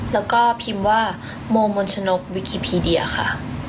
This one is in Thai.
แล้วก็พิมพ์ว่าโมมนชนกวิกิพีเดียค่ะ